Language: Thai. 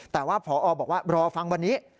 แต่ว่าพอบอกว่ารอฟังวันนี้